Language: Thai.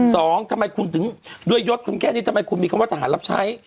ทำไมคุณถึงด้วยยศคุณแค่นี้ทำไมคุณมีคำว่าทหารรับใช้